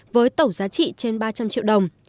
với tổng giá trị trên ba trăm linh triệu đồng